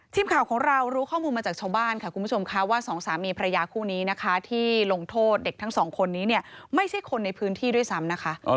ทีมข่าวของเรารู้ข้อมูลมาจากชาวบ้านค่ะคุณผู้ชมค่ะว่าสองสามีพระยาคู่นี้นะคะที่ลงโทษเด็กทั้งสองคนนี้เนี่ยไม่ใช่คนในพื้นที่ด้วยซ้ำนะคะ